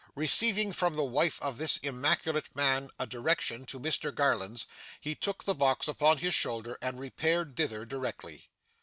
Receiving from the wife of this immaculate man, a direction to Mr Garland's, he took the box upon his shoulder and repaired thither directly.